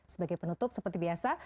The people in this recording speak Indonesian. sebagai penutup seperti biasa